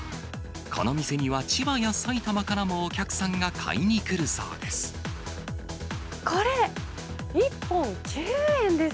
この店には千葉や埼玉からもお客さんが買いに来るそうです。